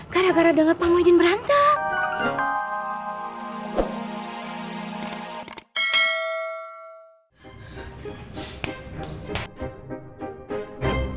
gara gara denger pangguin berantem